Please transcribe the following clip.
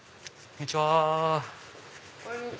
こんにちは。